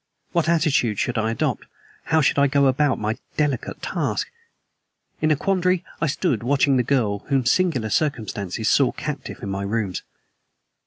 What attitude should I adopt? How should I go about my delicate task? In a quandary, I stood watching the girl whom singular circumstances saw captive in my rooms.